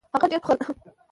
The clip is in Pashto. هغه ډېر ټوخل .